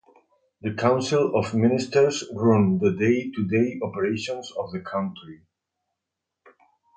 The Council of Ministers run the day-to-day operations of the country.